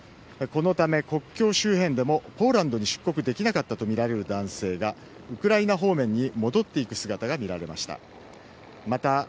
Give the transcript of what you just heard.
このため、国境周辺でもポーランドに出国できなかったとみられる男性がウクライナ方面に戻っていく姿が見られました。